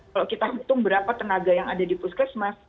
kalau kita hitung berapa tenaga yang ada di puskesmas